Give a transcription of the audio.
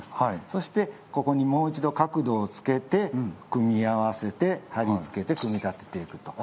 そしてここにもう一度角度をつけて組み合わせて貼り付けて組み立てていくと。